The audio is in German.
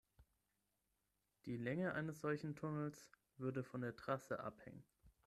Die Länge eines solchen Tunnels würde von der Trasse abhängen.